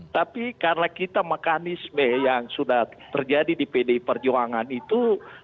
tapi karena kita mekanisme yang sudah terjadi di pdi perjuangan itu